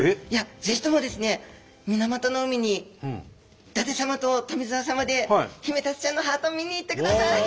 ぜひともですね水俣の海に伊達様と富澤様でヒメタツちゃんのハートを見に行ってください！